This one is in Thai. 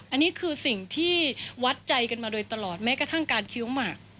อันนี้คือสิ่งที่วัดใจกันมาโดยตลอดแม้กระทั่งการเคี้ยวหมาก